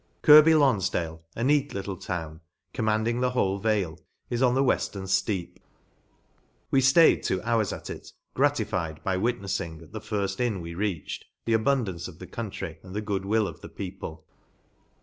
Kirby Lonfdale, a neat little town, com manding the whole vale, is on the weftern fteep. We ilaid two hours at it, gratified by witnefiing, at the firft inn we reached, the abundance of the country and the goodwill of the people.